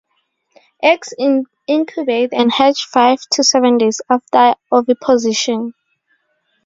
Eggs incubate and hatch five to seven days after oviposition.